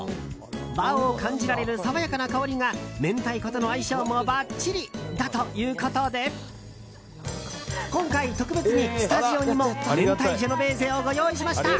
和を感じられる爽やかな香りが明太子との相性もばっちりだということで今回、特別にスタジオにも明太ジェノベーゼをご用意しました。